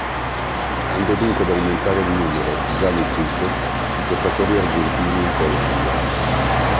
Andò dunque ad aumentare il numero, già nutrito, di giocatori argentini in Colombia.